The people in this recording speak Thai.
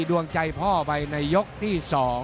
ดวงใจพ่อไปในยกที่๒